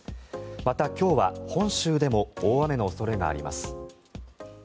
また、今日は本州でも大雨の恐れがあります。